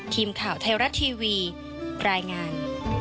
ทีมข่าวไทยรัฐทีวีรายงาน